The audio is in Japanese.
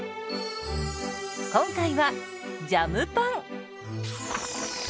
今回はジャムパン。